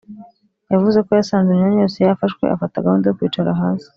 yavuze ko yasanze imyanya yose yafashwe afata gahunda yo kwicara hasi